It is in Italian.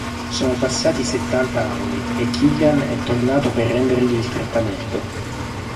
Sono passati settanta anni e Killian è tornato per rendergli il trattamento.